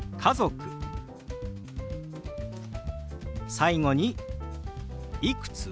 最後に「いくつ？」。